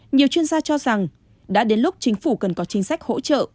nhiều chuyên gia cho rằng đã đến lúc chính phủ cần có chính sách hỗ trợ